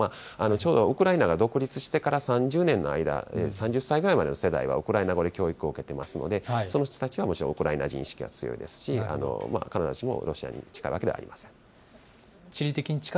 ちょうどウクライナが独立してから３０年の間、３０歳ぐらいまでの世代はウクライナ語で教育を受けていますので、その人たちはもちろんウクライナ人意識が強いですし、必ずしもロシアに近いわけではありません。